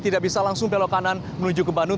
tidak bisa langsung belok kanan menuju ke bandung